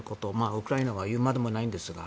ウクライナは言うまでもないんですが。